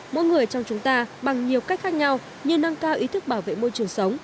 mỗi người trong chúng ta bằng nhiều cách khác nhau như nâng cao ý thức bảo vệ môi trường sống